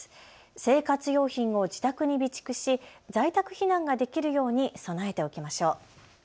生活用品を自宅に備蓄し在宅避難ができるように備えておきましょう。